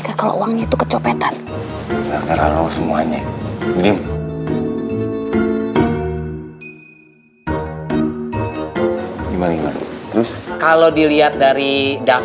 kompani profil perusahaan bapak